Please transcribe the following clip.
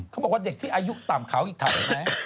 เขาบอกว่าเด็กที่อายุต่ำเขาอีกถามอีกไหม